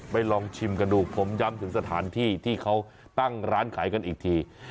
ลองชิมกันดูผมย้ำถึงสถานที่ที่เขาตั้งร้านขายกันอีกที